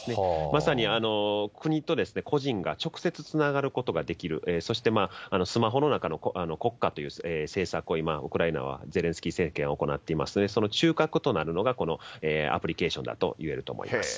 まさに国と個人が直接、つながることができる、そしてスマホの中の国家という政策を今、ウクライナは、ゼレンスキー政権は行っていますので、その中核となるのがこのアプリケーションだといえると思います。